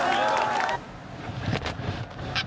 ・あ！